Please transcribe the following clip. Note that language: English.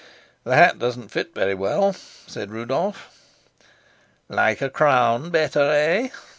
"The hat doesn't fit very well," said Rudolf. "Like a crown better, eh?"